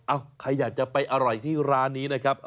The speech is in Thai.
ใครอยากจะไปอร่อยที่ร้านนี้นะครับ